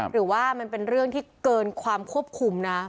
หรือว่ามันเป็นเรื่องที่เกินความควบคุมนะ